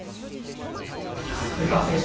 古川選手